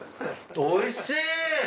おいしい！